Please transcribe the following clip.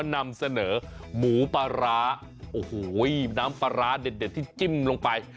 นำเสนอหมูปลาร้าโอ้โหน้ำปลาร้าเด็ดที่จิ้มลงไป